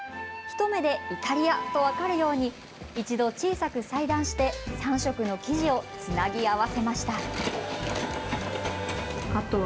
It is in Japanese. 一目でイタリアと分かるように一度小さく裁断して３色の生地をつなぎ合わせました。